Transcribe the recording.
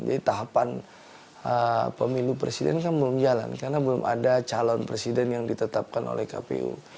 jadi tahapan pemilu presiden kan belum jalan karena belum ada calon presiden yang ditetapkan oleh kpu